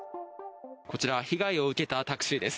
こちら被害を受けたタクシーです。